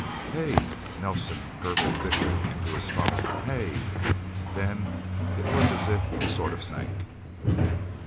"Hey!" Nelsen gurgled thickly into his phone. "Hey..." Then it was as if he sort of sank...